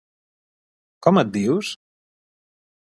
com et dius?